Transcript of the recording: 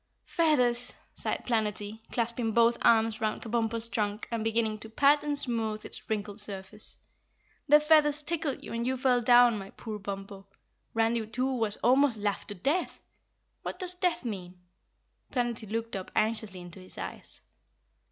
"Feathers!" sighed Planetty, clasping both arms round Kabumpo's trunk and beginning to pat and smooth its wrinkled surface. "The feathers tickled you and you fell down, my poor Bumpo. Randy too was almost laughed to the death. What does death mean?" Planetty looked up anxiously into his eyes.